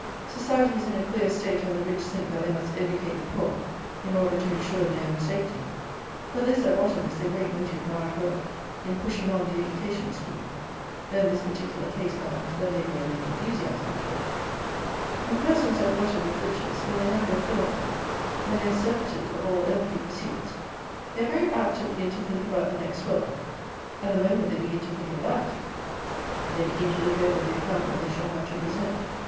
Society is in a queer state when the rich think, that they must educate the poor in order to insure their own safety: for this, at bottom, is the great motive now at work in pushing on the education scheme, though in this particular case, perhaps, there may be a little enthusiasm at work. When persons are glutted with riches; when they have their fill of them; when they are surfeited of all earthly pursuits, they are very apt to begin to think about the next world; and, the moment they begin to think of that, they begin to look over the account that they shall have to present.